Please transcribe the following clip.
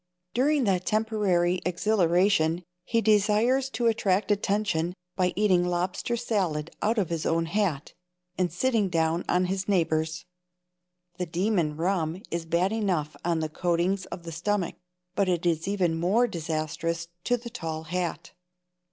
During that temporary exhilaration he desires to attract attention by eating lobster salad out of his own hat, and sitting down on his neighbor's. The demon rum is bad enough on the coatings of the stomach, but it is even more disastrous to the tall hat.